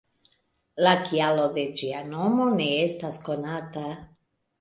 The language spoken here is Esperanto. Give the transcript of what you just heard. La kialo de ĝia nomo ne estas konata.